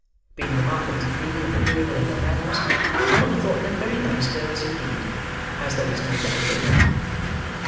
Being remarkably free and agreeable in their manners, Oliver thought them very nice girls indeed. As there is no doubt they were.